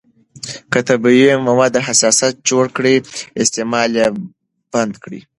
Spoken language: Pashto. که طبیعي مواد حساسیت جوړ کړي، استعمال یې بند کړئ.